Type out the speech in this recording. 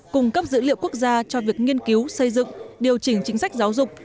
cung cấp dữ liệu quốc gia cho việc nghiên cứu xây dựng điều chỉnh chính sách giáo dục